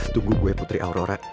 tunggu gue putri aurora